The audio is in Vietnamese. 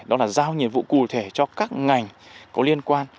đó là giao nhiệm vụ cụ thể cho các ngành có liên quan